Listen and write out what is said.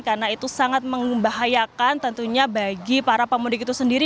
karena itu sangat membahayakan tentunya bagi para pemudik itu sendiri